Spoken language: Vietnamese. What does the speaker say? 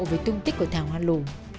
với tung tích của thảo hoan lũ